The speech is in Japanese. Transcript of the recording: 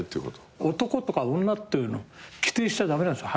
男とか女っていうのを規定しちゃ駄目なんですよ。